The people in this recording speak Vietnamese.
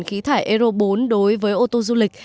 khí thải euro bốn đối với ô tô du lịch